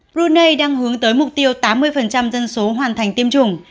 brunei đang hướng tới mục tiêu tám mươi dân số hoàn thành tiêm chủng